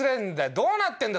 どうなってんだ？